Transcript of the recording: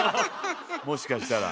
もしかしたら。